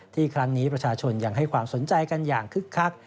ครั้งนี้ประชาชนยังให้ความสนใจกันอย่างคึกคัก